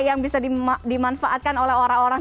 yang bisa dimanfaatkan oleh orang orang